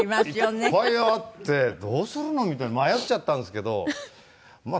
いっぱいあってどうするの？みたいな迷っちゃったんですけどまあ